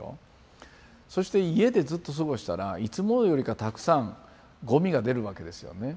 そして家でずっと過ごしたらいつもよりかたくさんゴミが出るわけですよね。